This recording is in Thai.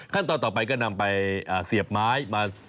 ขั้นต่อไปก็นำไปเสียบไม้